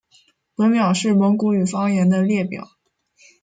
本表是蒙古语方言的列表。